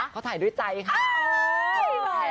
เขาถ่ายด้วยใจค่ะ